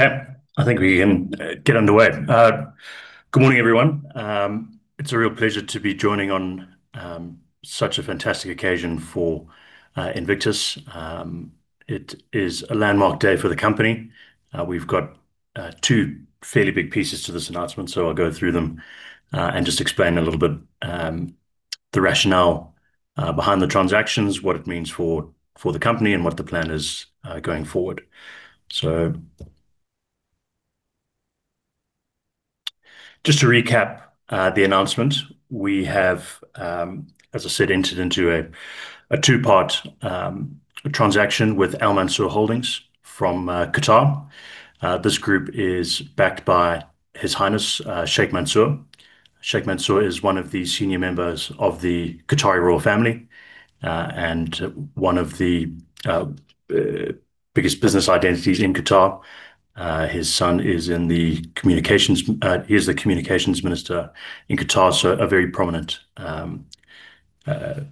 Okay, I think we can get underway. Good morning, everyone. It's a real pleasure to be joining on such a fantastic occasion for Invictus. It is a landmark day for the company. We've got two fairly big pieces to this announcement, so I'll go through them and just explain a little bit the rationale behind the transactions, what it means for the company, and what the plan is going forward. Just to recap the announcement, we have, as I said, entered into a two-part transaction with Al Mansour Holdings from Qatar. This group is backed by His Highness Sheikh Mansour. Sheikh Mansour is one of the senior members of the Qatari royal family and one of the biggest business identities in Qatar. His son is the communications minister in Qatar, so a very prominent part of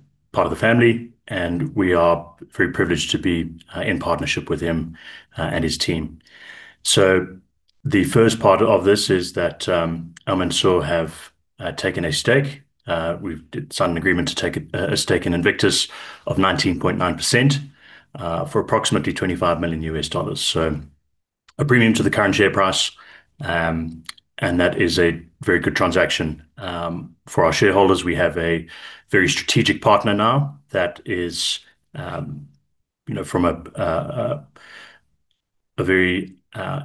the family, and we are very privileged to be in partnership with him and his team. The first part of this is that Al Mansour have taken a stake. We've signed an agreement to take a stake in Invictus of 19.9% for approximately $25 million. A premium to the current share price, and that is a very good transaction for our shareholders. We have a very strategic partner now that is from a very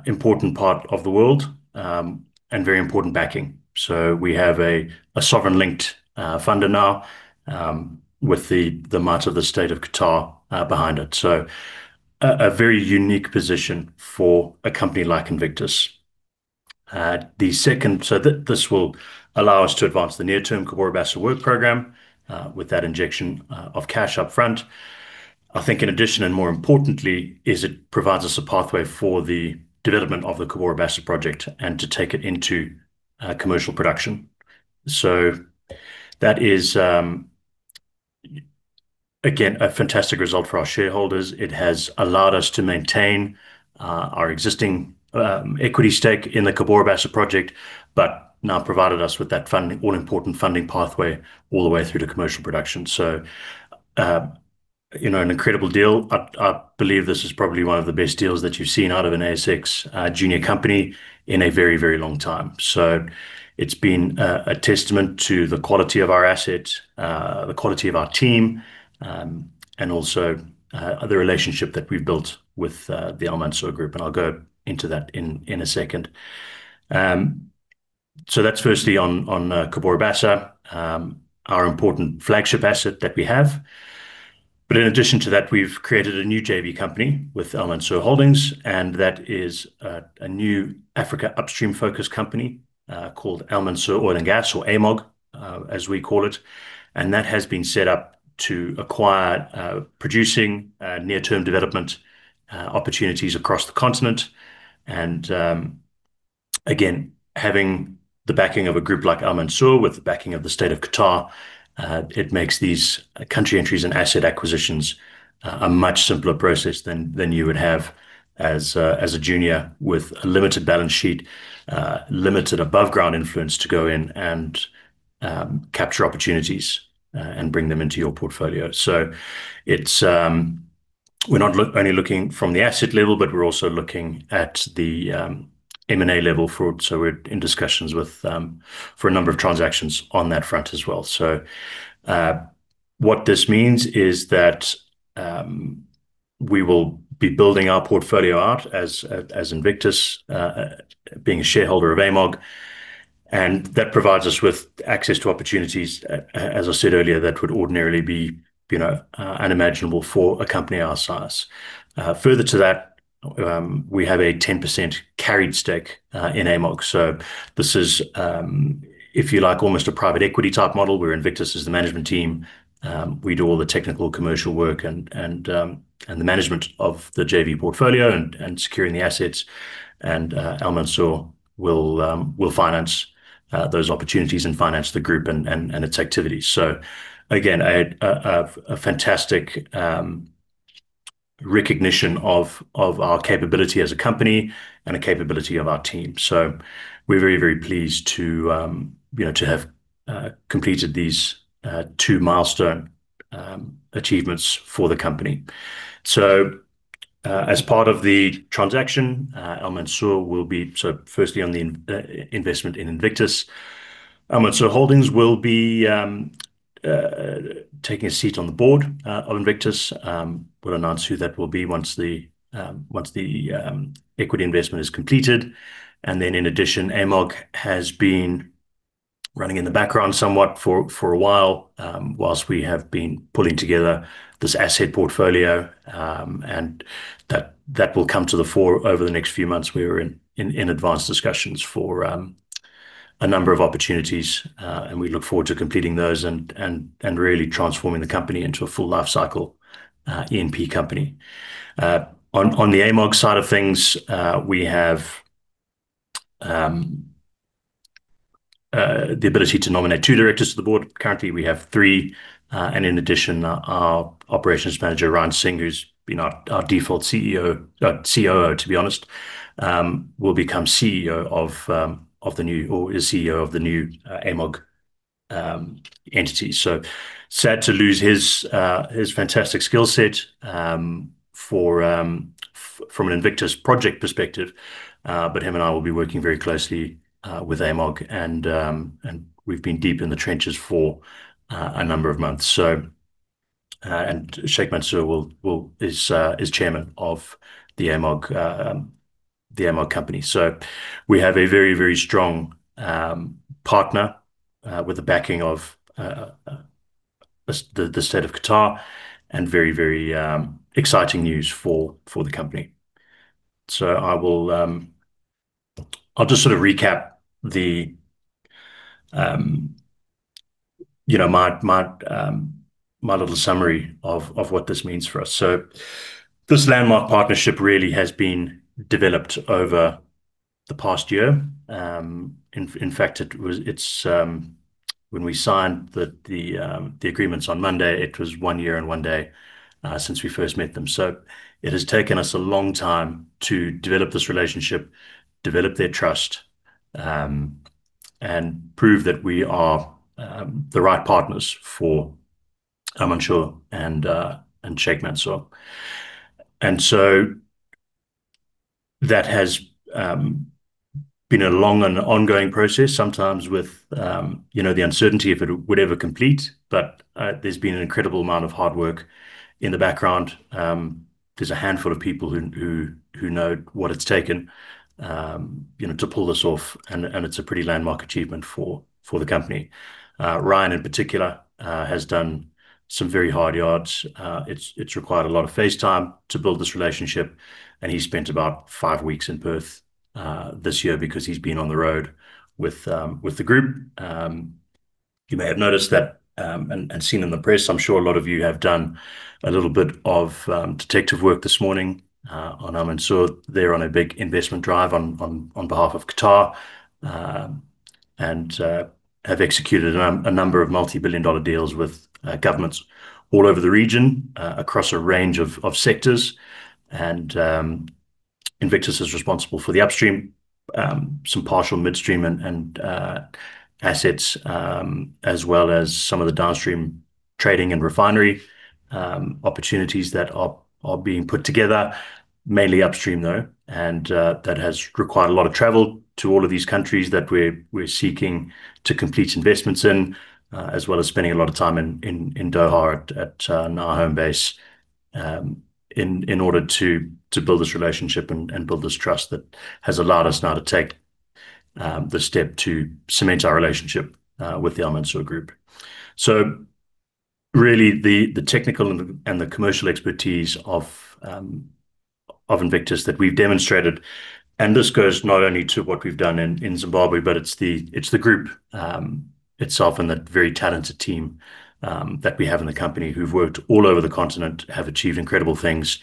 important part of the world and very important backing. We have a sovereign-linked funder now with the might of the state of Qatar behind it. A very unique position for a company like Invictus. This will allow us to advance the near-term Cabora Bassa work program with that injection of cash up front. I think in addition, and more importantly, that it provides us a pathway for the development of the Cabora Bassa project and to take it into commercial production. That is, again, a fantastic result for our shareholders. It has allowed us to maintain our existing equity stake in the Cabora Bassa project, but now provided us with that all-important funding pathway all the way through to commercial production. An incredible deal. I believe this is probably one of the best deals that you've seen out of an ASX junior company in a very long time. It's been a testament to the quality of our asset, the quality of our team, and also the relationship that we've built with the Al Mansour Group, and I'll go into that in a second. That's firstly on Cabora Bassa, our important flagship asset that we have. In addition to that, we've created a new JV company with Al Mansour Holdings, and that is a new Africa upstream-focused company, called Al Mansour Oil & Gas, or AMOG, as we call it. That has been set up to acquire producing near-term development opportunities across the continent. Again, having the backing of a group like Al Mansour with the backing of the state of Qatar, it makes these country entries and asset acquisitions a much simpler process than you would have as a junior with a limited balance sheet, limited above ground influence to go in and capture opportunities and bring them into your portfolio. We're not only looking from the asset level, but we're also looking at the M&A level for it. We're in discussions for a number of transactions on that front as well. What this means is that we will be building our portfolio out as Invictus being a shareholder of AMOG, and that provides us with access to opportunities, as I said earlier, that would ordinarily be unimaginable for a company our size. Further to that, we have a 10% carried stake in AMOG. This is, if you like, almost a private equity type model, where Invictus is the management team. We do all the technical commercial work and the management of the JV portfolio and securing the assets. Al Mansour will finance those opportunities and finance the group and its activities. Again, a fantastic recognition of our capability as a company and a capability of our team. We're very pleased to have completed these two milestone achievements for the company. As part of the transaction, Al Mansour will be, firstly, on the investment in Invictus. Al Mansour Holdings will be taking a seat on the board of Invictus. We'll announce who that will be once the equity investment is completed. In addition, AMOG has been running in the background somewhat for a while we have been pulling together this asset portfolio, and that will come to the fore over the next few months. We're in advanced discussions for a number of opportunities. We look forward to completing those and really transforming the company into a full life cycle E&P company. On the AMOG side of things, we have the ability to nominate two directors to the board. Currently, we have three. In addition, our operations manager, Ryan Singh, who's been our default COO, will become CEO of the new AMOG entity. Sad to lose his fantastic skill set from an Invictus project perspective. Him and I will be working very closely with AMOG, and we've been deep in the trenches for a number of months. Sheikh Mansour is Chairman of the AMOG company. We have a very, very strong partner with the backing of the State of Qatar and very, very exciting news for the company. I'll just sort of recap my little summary of what this means for us. This landmark partnership really has been developed over the past year. In fact, when we signed the agreements on Monday, it was one year and one day since we first met them. It has taken us a long time to develop this relationship, develop their trust, and prove that we are the right partners for Al Mansour and Sheikh Mansour. That has been a long and ongoing process, sometimes with the uncertainty if it would ever complete. There's been an incredible amount of hard work in the background. There's a handful of people who know what it's taken to pull this off, and it's a pretty landmark achievement for the company. Ryan, in particular, has done some very hard yards. It's required a lot of face time to build this relationship, and he spent about five weeks in Perth this year because he's been on the road with the group. You may have noticed that and seen in the press. I'm sure a lot of you have done a little bit of detective work this morning on Al Mansour. They're on a big investment drive on behalf of Qatar and have executed a number of multi-billion-dollar deals with governments all over the region across a range of sectors. Invictus is responsible for the upstream, some partial midstream and assets as well as some of the downstream trading and refinery opportunities that are being put together, mainly upstream, though. That has required a lot of travel to all of these countries that we're seeking to complete investments in, as well as spending a lot of time in Doha at our home base in order to build this relationship and build this trust that has allowed us now to take the step to cement our relationship with the Al Mansour Group. Really the technical and the commercial expertise of Invictus that we've demonstrated, and this goes not only to what we've done in Zimbabwe, but it's the group itself and that very talented team that we have in the company who've worked all over the continent, have achieved incredible things.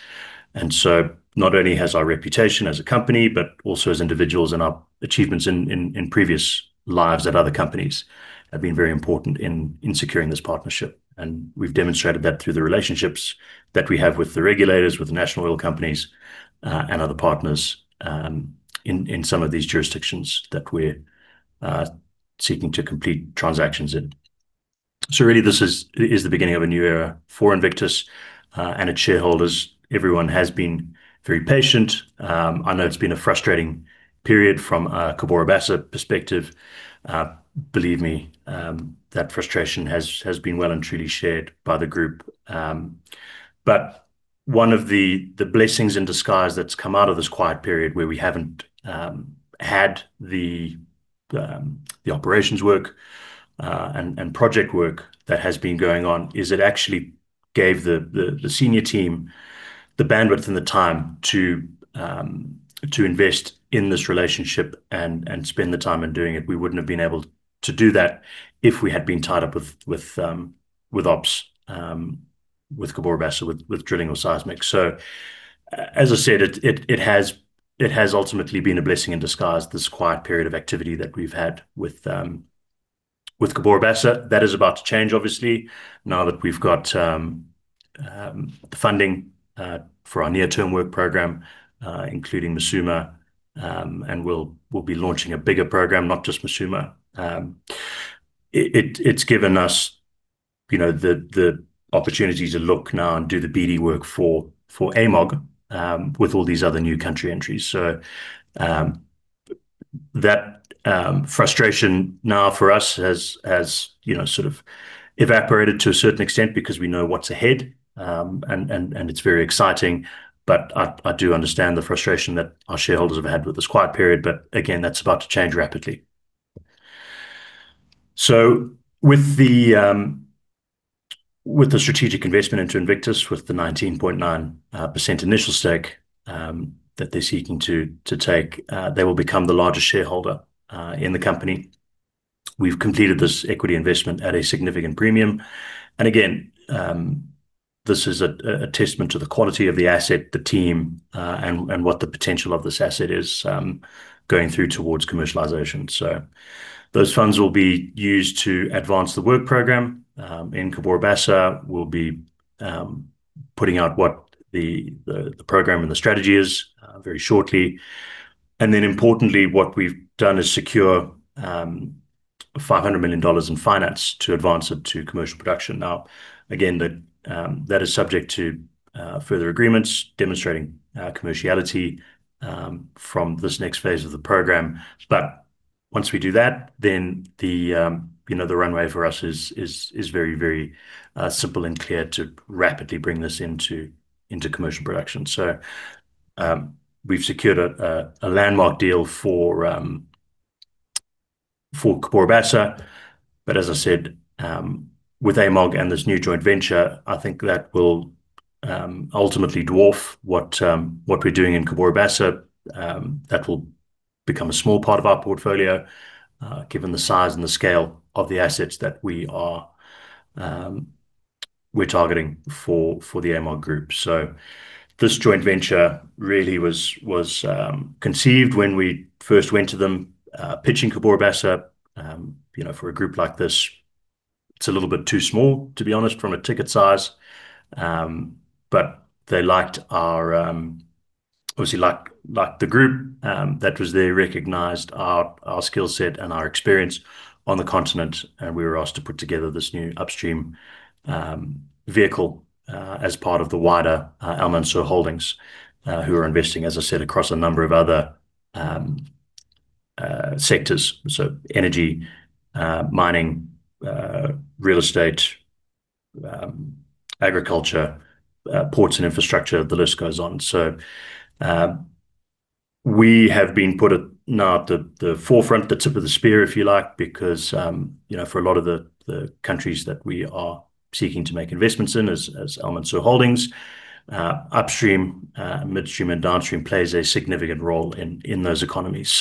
Not only has our reputation as a company, but also as individuals and our achievements in previous lives at other companies have been very important in securing this partnership. We've demonstrated that through the relationships that we have with the regulators, with the national oil companies, and other partners in some of these jurisdictions that we're seeking to complete transactions in. Really this is the beginning of a new era for Invictus and its shareholders. Everyone has been very patient. I know it's been a frustrating period from a Cabora Bassa perspective. Believe me, that frustration has been well and truly shared by the group. One of the blessings in disguise that's come out of this quiet period where we haven't had the operations work and project work that has been going on is it actually gave the senior team the bandwidth and the time to invest in this relationship and spend the time in doing it. We wouldn't have been able to do that if we had been tied up with ops, with Cabora Bassa, with drilling or seismic. As I said, it has ultimately been a blessing in disguise, this quiet period of activity that we've had with Cabora Bassa. That is about to change, obviously, now that we've got the funding for our near-term work program, including Musuma. We'll be launching a bigger program, not just Musuma. It's given us the opportunity to look now and do the BD work for AMOG with all these other new country entries. That frustration now for us has sort of evaporated to a certain extent because we know what's ahead. It's very exciting. I do understand the frustration that our shareholders have had with this quiet period. Again, that's about to change rapidly. With the strategic investment into Invictus, with the 19.9% initial stake that they're seeking to take, they will become the largest shareholder in the company. We've completed this equity investment at a significant premium. Again, this is a testament to the quality of the asset, the team, and what the potential of this asset is going through towards commercialization. Those funds will be used to advance the work program in Cabora Bassa. We'll be putting out what the program and the strategy is very shortly. Importantly, what we've done is secure $500 million in finance to advance it to commercial production. Now, again, that is subject to further agreements demonstrating commerciality from this next phase of the program. Once we do that, then the runway for us is very, very simple and clear to rapidly bring this into commercial production. We've secured a landmark deal for Cabora Bassa. As I said, with AMOG and this new joint venture, I think that will ultimately dwarf what we're doing in Cabora Bassa. That will become a small part of our portfolio, given the size and the scale of the assets that we're targeting for the AMOG group. This joint venture really was conceived when we first went to them, pitching Cabora Bassa. For a group like this, it's a little bit too small, to be honest, from a ticket size. They obviously liked the group that was there, recognized our skill set and our experience on the continent, and we were asked to put together this new upstream vehicle as part of the wider Al Mansour Holdings, who are investing, as I said, across a number of other sectors. Energy, mining, real estate, agriculture, ports and infrastructure, the list goes on. We have been put at the forefront, the tip of the spear, if you like, because for a lot of the countries that we are seeking to make investments in as Al Mansour Holdings, upstream, midstream and downstream plays a significant role in those economies.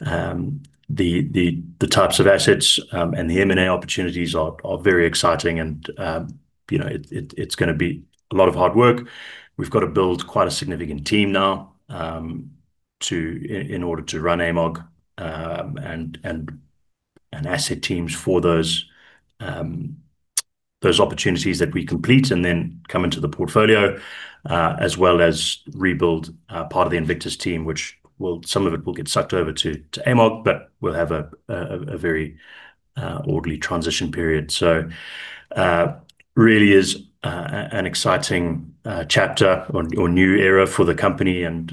The types of assets and the M&A opportunities are very exciting and it's going to be a lot of hard work. We've got to build quite a significant team now in order to run AMOG, and asset teams for those opportunities that we complete and then come into the portfolio. As well as rebuild part of the Invictus team, which some of it will get sucked over to AMOG, but we'll have a very orderly transition period. Really is an exciting chapter or new era for the company and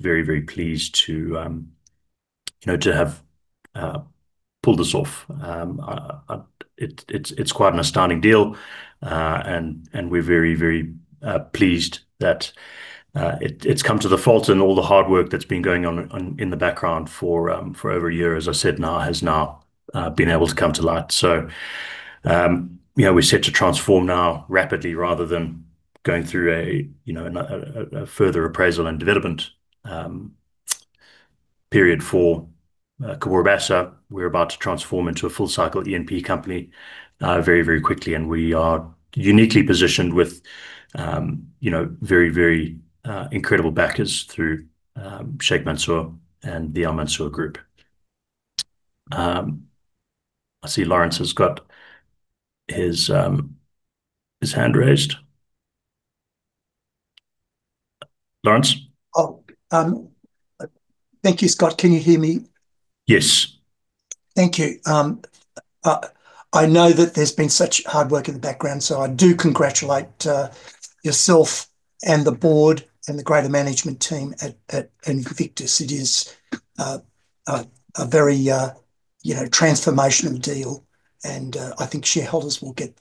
very, very pleased to have pulled this off. It's quite an astounding deal, and we're very, very pleased that it's come to the fore and all the hard work that's been going on in the background for over a year, as I said, now has now been able to come to light. We're set to transform now rapidly rather than going through a further appraisal and development period for Cabora Bassa. We're about to transform into a full cycle E&P company very, very quickly. We are uniquely positioned with very, very incredible backers through Sheikh Mansour and the Al Mansour Group. I see Lawrence has got his hand raised. Lawrence? Oh. Thank you, Scott. Can you hear me? Yes. Thank you. I know that there's been such hard work in the background, so I do congratulate yourself and the board and the greater management team at Invictus. It is a very transformational deal, and I think shareholders will get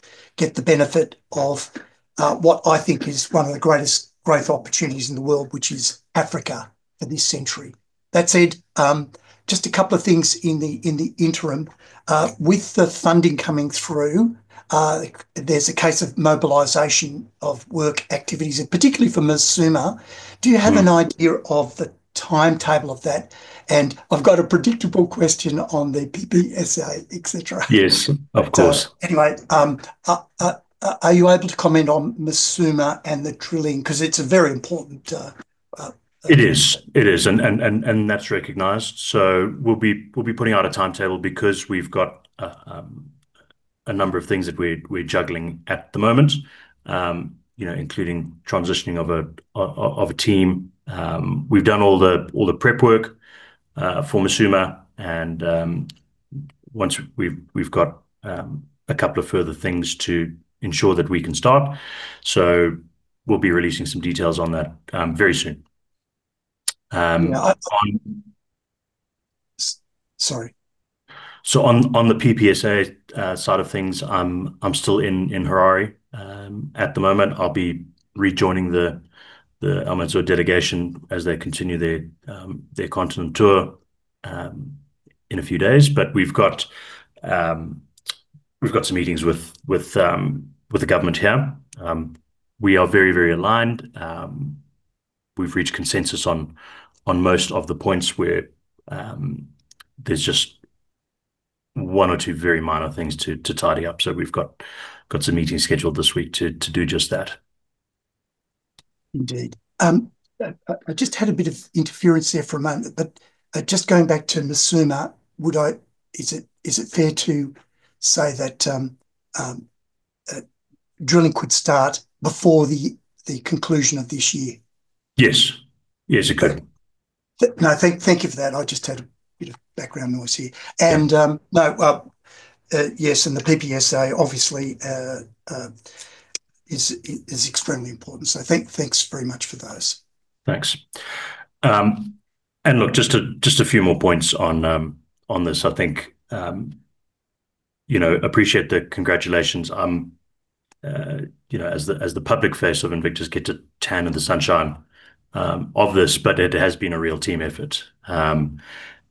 the benefit of what I think is one of the greatest growth opportunities in the world, which is Africa, for this century. That said, just a couple of things in the interim. With the funding coming through, there's a case of mobilization of work activities, and particularly for Musuma. Do you have an idea of the timetable of that? I've got a predictable question on the PPSA, et cetera. Yes, of course. Anyway, are you able to comment on Musuma and the drilling? Because it's very important. It is. That's recognized. We'll be putting out a timetable because we've got a number of things that we're juggling at the moment, including transitioning of a team. We've done all the prep work for Musuma and we've got a couple of further things to ensure that we can start. We'll be releasing some details on that very soon. Sorry. On the PPSA side of things, I'm still in Harare at the moment. I'll be rejoining the Al Mansour delegation as they continue their continent tour in a few days. We've got some meetings with the government here. We are very, very aligned. We've reached consensus on most of the points where there's just one or two very minor things to tidy up. We've got some meetings scheduled this week to do just that. Indeed. I just had a bit of interference there for a moment. Just going back to Musuma, is it fair to say that drilling could start before the conclusion of this year? Yes. Yes, it could. No, thank you for that. I just had a bit of background noise here. Yeah. The PPSA obviously is extremely important. Thanks very much for those. Thanks. Look, just a few more points on this. I think, I appreciate the congratulations. As the public face of Invictus, I get to tan in the sunshine of this, but it has been a real team effort. Not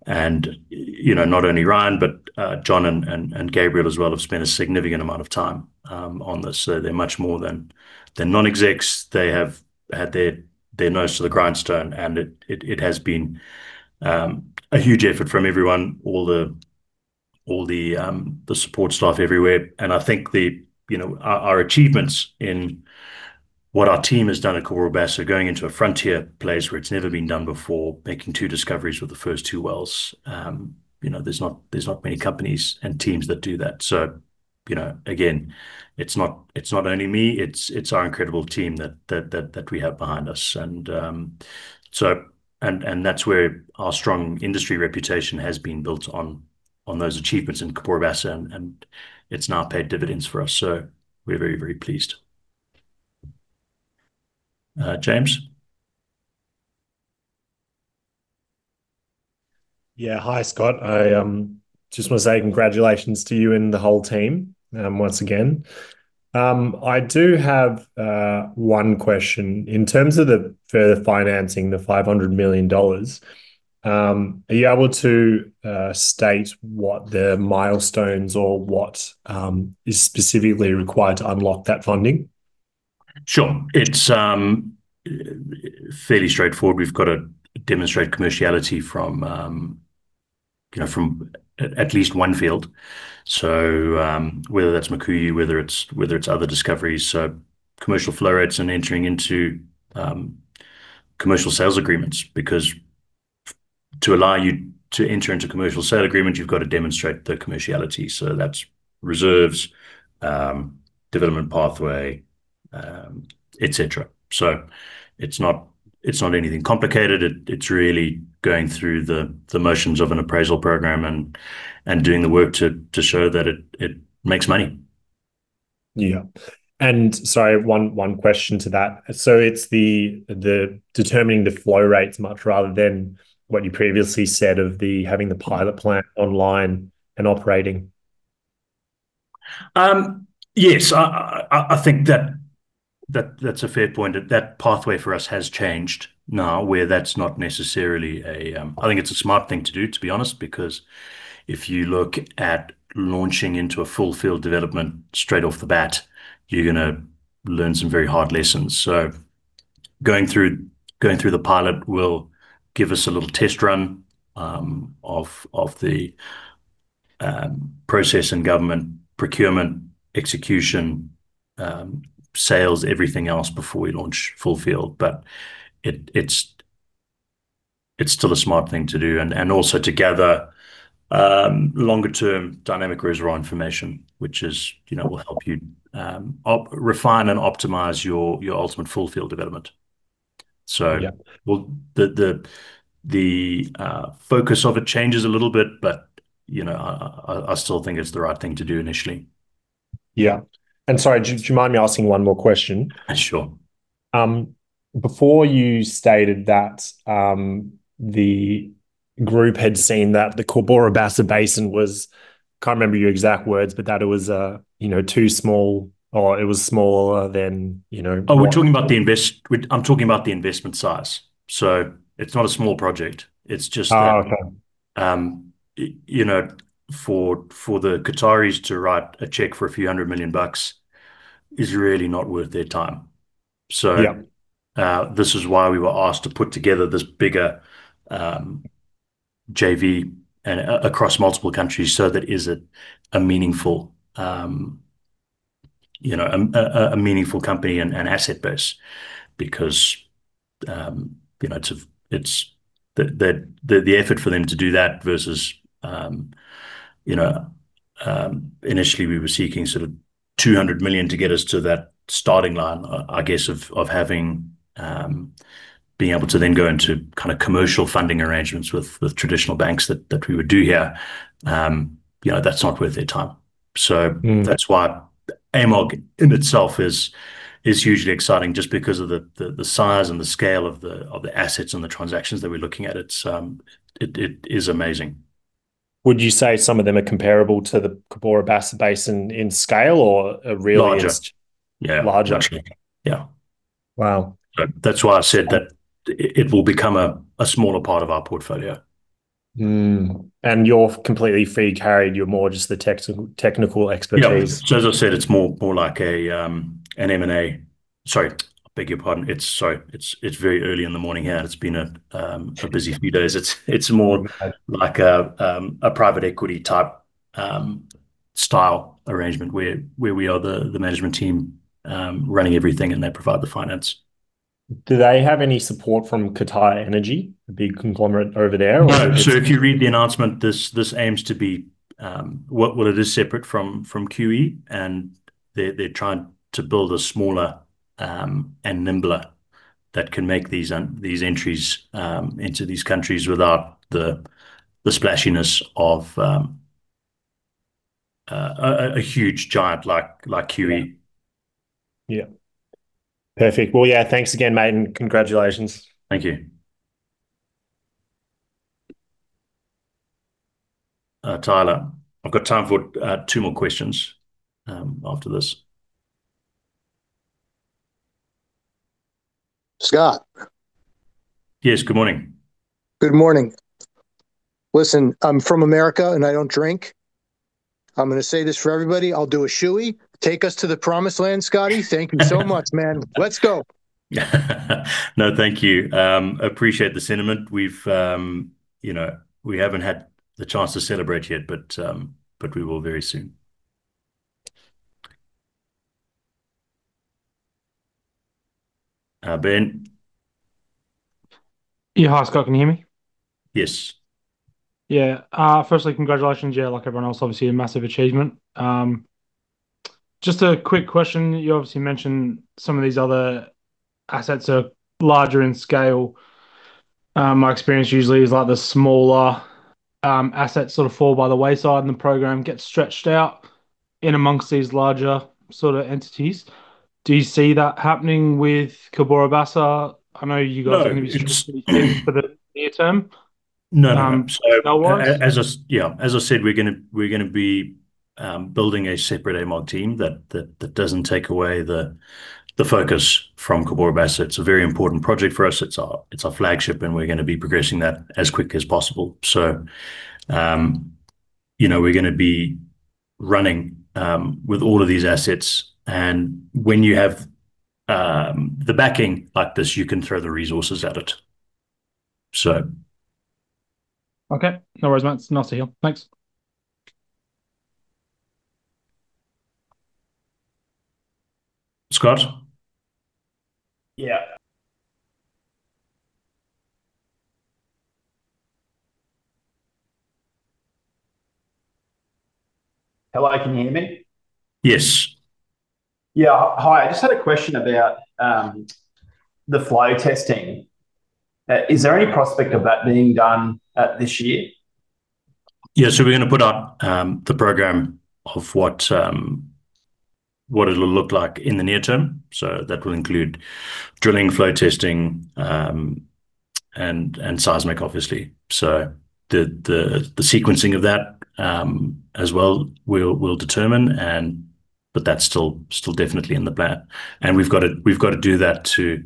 only Ryan, but John and Gabriel as well have spent a significant amount of time on this. They're much more than non-execs. They have had their nose to the grindstone, and it has been a huge effort from everyone, all the support staff everywhere. I think our achievements in what our team has done at Cabora Bassa, going into a frontier place where it's never been done before, making two discoveries with the first two wells. There's not many companies and teams that do that. Again, it's not only me, it's our incredible team that we have behind us. That's where our strong industry reputation has been built on, those achievements in Cabora Bassa, and it's now paid dividends for us. We're very, very pleased. James? Yeah. Hi, Scott. I just want to say congratulations to you and the whole team once again. I do have one question. In terms of the further financing, the $500 million, are you able to state what the milestones or what is specifically required to unlock that funding? Sure. It's fairly straightforward. We've got to demonstrate commerciality from at least one field. Whether that's Mukuyu, whether it's other discoveries, so commercial flow rates and entering into commercial sales agreements, because to allow you to enter into commercial sale agreements, you've got to demonstrate the commerciality. That's reserves, development pathway, et cetera. It's not anything complicated. It's really going through the motions of an appraisal program and doing the work to show that it makes money. Yeah. Sorry, one question to that. It's determining the flow rates much rather than what you previously said of having the pilot plant online and operating. Yes. I think that's a fair point. That pathway for us has changed now, where that's not necessarily. I think it's a smart thing to do, to be honest, because if you look at launching into a full field development straight off the bat, you're going to learn some very hard lessons. Going through the pilot will give us a little test run of the process and government procurement, execution, sales, everything else before we launch full field. It's still a smart thing to do. Also to gather longer-term dynamic reservoir information, which will help you refine and optimize your ultimate full field development. Yeah. The focus of it changes a little bit, but I still think it's the right thing to do initially. Yeah. Sorry, do you mind me asking one more question? Sure. Before you stated that the group had seen that the Cabora Bassa Basin was, can't remember your exact words, but that it was too small or it was smaller than. Oh, I'm talking about the investment size. It's not a small project. It's just that— Oh, okay. —for the Qataris to write a check for a few hundred million bucks is really not worth their time. Yeah. This is why we were asked to put together this bigger JV across multiple countries, so that it is a meaningful company and asset base because the effort for them to do that versus, initially we were seeking sort of $200 million to get us to that starting line, I guess, of being able to then go into commercial funding arrangements with traditional banks that we would do here. That's not worth their time. That's why AMOG in itself is hugely exciting just because of the size and the scale of the assets and the transactions that we're looking at. It is amazing. Would you say some of them are comparable to the Cabora Bassa Basin in scale or are really just? Larger larger? Yeah, actually. Yeah. Wow. That's why I said that it will become a smaller part of our portfolio. You're completely free carried, you're more just the technical expertise. Yeah. As I said, it's more like, sorry. I beg your pardon. Sorry. It's very early in the morning here and it's been a busy few days. It's more like a private equity type style arrangement where we are the management team running everything and they provide the finance. Do they have any support from QatarEnergy, the big conglomerate over there, or? No. If you read the announcement, this aims to be what it is separate from QE, and they're trying to build a smaller and nimbler that can make these entries into these countries without the splashiness of a huge giant like QE. Yeah. Perfect. Well, yeah. Thanks again, mate, and congratulations. Thank you. Tyler, I've got time for two more questions after this. Scott. Yes. Good morning. Good morning. Listen, I'm from America and I don't drink. I'm going to say this for everybody. I'll do a shoey. Take us to the promised land, Scotty. Thank you so much, man. Let's go. No, thank you. Appreciate the sentiment. We haven't had the chance to celebrate yet, but we will very soon. Ben. Yeah. Hi, Scott. Can you hear me? Yes. Yeah. Firstly, congratulations. Yeah, like everyone else, obviously a massive achievement. Just a quick question. You obviously mentioned some of these other assets are larger in scale. My experience usually is like the smaller assets sort of fall by the wayside and the program gets stretched out in amongst these larger sort of entities. Do you see that happening with Cabora Bassa? I know you guys— No —are going to be interested in things for the near term. No. Delaware. Yeah. As I said, we're going to be building a separate AMOG team that doesn't take away the focus from Cabora Bassa. It's a very important project for us. It's our flagship and we're going to be progressing that as quick as possible. We're going to be running with all of these assets, and when you have the backing like this, you can throw the resources at it. Okay. No worries, mate. Nice to hear. Thanks. Scott? Yeah. Hello, can you hear me? Yes. Yeah. Hi. I just had a question about the flow testing. Is there any prospect of that being done this year? Yeah. We're going to put out the program of what it'll look like in the near term. That will include drilling, flow testing, and seismic, obviously. The sequencing of that as well will determine, but that's still definitely on the plan. We've got to do that to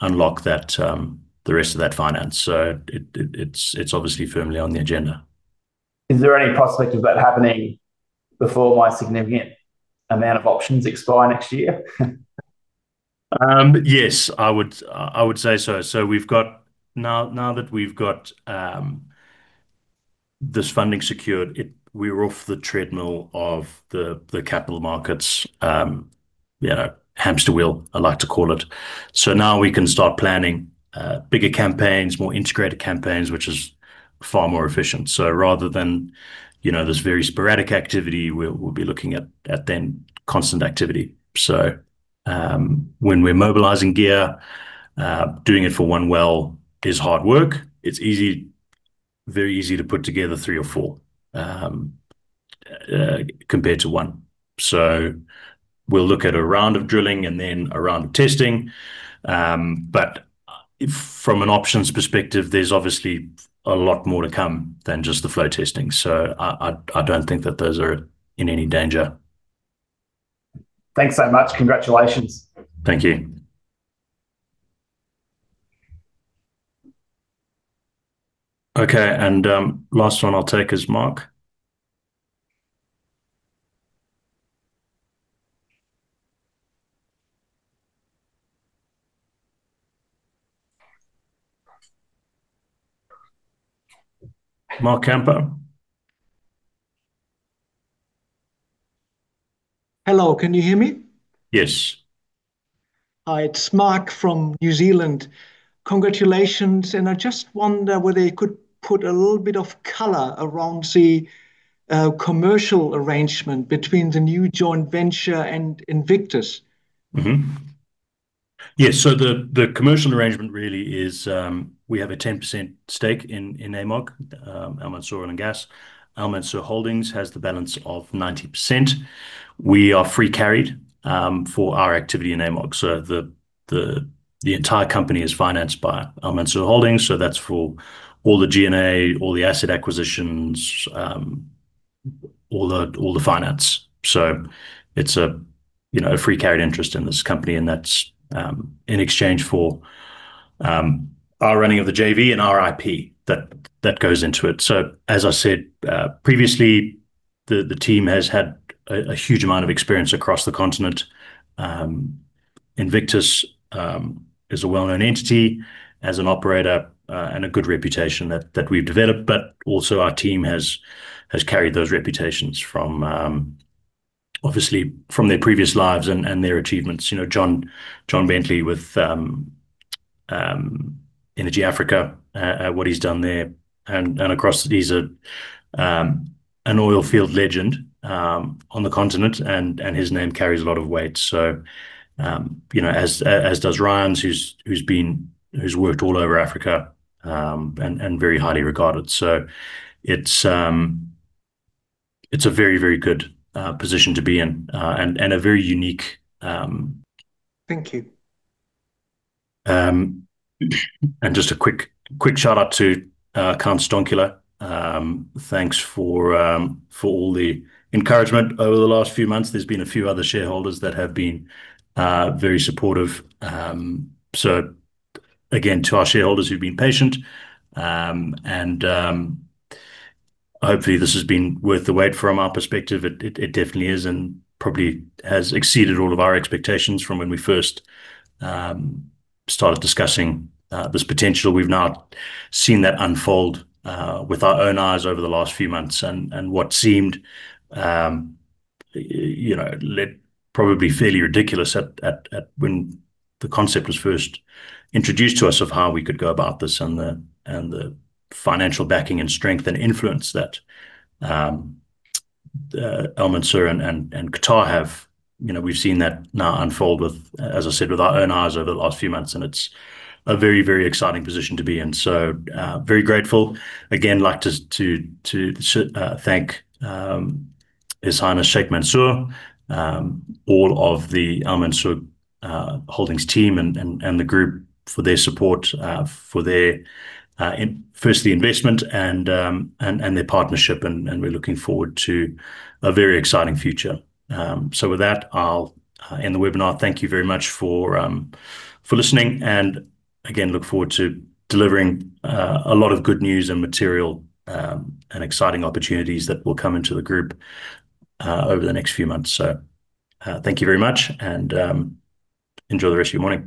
unlock the rest of that finance. It's obviously firmly on the agenda. Is there any prospect of that happening before my significant amount of options expire next year? Yes, I would say so. Now that we've got this funding secured, we're off the treadmill of the capital markets, hamster wheel I like to call it. Now we can start planning bigger campaigns, more integrated campaigns, which is far more efficient. Rather than this very sporadic activity, we'll be looking at the constant activity. When we're mobilizing gear, doing it for one well is hard work. It's very easy to put together three or four, compared to one. We'll look at a round of drilling and then a round of testing. From an options perspective, there's obviously a lot more to come than just the flow testing. I don't think that those are in any danger. Thanks so much. Congratulations. Thank you. Okay, last one I'll take is Mark. Mark Kempa? Hello, can you hear me? Yes. Hi, it's Mark from New Zealand. Congratulations. I just wonder whether you could put a little bit of color around the commercial arrangement between the new joint venture and Invictus. The commercial arrangement really is, we have a 10% stake in AMOG, Al Mansour Oil & Gas. Al Mansour Holdings has the balance of 90%. We are free carried for our activity in AMOG. The entire company is financed by Al Mansour Holdings, so that's for all the G&A, all the asset acquisitions, all the finance. It's a free carried interest in this company and that's in exchange for our running of the JV and our IP that goes into it. As I said previously, the team has had a huge amount of experience across the continent. Invictus is a well-known entity as an operator, and a good reputation that we've developed. Also our team has carried those reputations from obviously their previous lives and their achievements. John Bentley with Energy Africa, what he's done there and across, he's an oil field legend on the continent, and his name carries a lot of weight. As does Ryan's, who's worked all over Africa, and very highly regarded. It's a very good position to be in and a very unique— Thank you. Just a quick shout-out to Count Dankula. Thanks for all the encouragement over the last few months. There's been a few other shareholders that have been very supportive. Again, to our shareholders who've been patient, and hopefully, this has been worth the wait. From our perspective, it definitely is and probably has exceeded all of our expectations from when we first started discussing this potential. We've now seen that unfold with our own eyes over the last few months, and what seemed probably fairly ridiculous when the concept was first introduced to us of how we could go about this and the financial backing and strength and influence that Al Mansour and Qatar have. We've seen that now unfold with, as I said, our own eyes over the last few months, and it's a very exciting position to be in. Very grateful. Again, I'd like to thank His Highness Sheikh Mansour, all of the Al Mansour Holdings team and the group for their support, for their firstly investment and their partnership. We're looking forward to a very exciting future. With that, I'll end the webinar. Thank you very much for listening and again, look forward to delivering a lot of good news and material, and exciting opportunities that will come into the group over the next few months. Thank you very much and enjoy the rest of your morning.